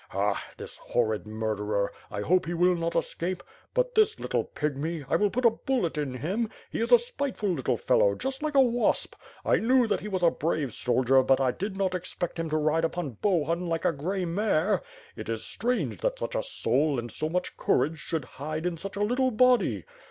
Ha! this horrid murderer. I hope he will not escape. But this little pigmy. 1 will put a bullet in him. He is a spiteful little fellow, just like a wasp. I knew that he was a brave soldier but 1 did not ex pect him to ride upon Bohun like a grey mare. It is strange that such a soul and so much couraage ehould hide in such a litle body.